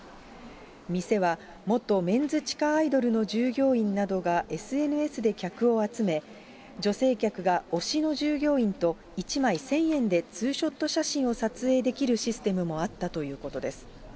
店は元メンズ地下アイドルの従業員などがＳＮＳで客を集め、女性客が推しの従業員と１枚１０００円でツーショット写真を撮影できるシステムもあったということです。